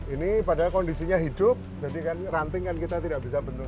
ini padahal kondisinya hidup jadi kan ranting kan kita tidak bisa bentuk